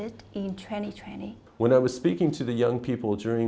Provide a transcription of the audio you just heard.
khi tôi nói chuyện với những người dân